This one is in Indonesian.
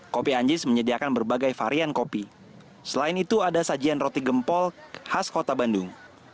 kopi anjis menyediakan berbagai varian kopi selain itu ada sajian roti gempol khas kota bandung